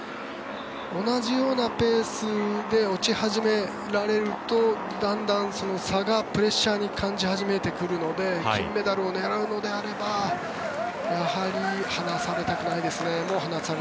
同じようなペースで落ち始められるとだんだん、その差がプレッシャーに感じ始めてくるので金メダルを狙うのであればやはりもう離されたくないですね。